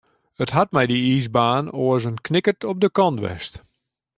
It hat mei dy iisbaan oars in knikkert op de kant west.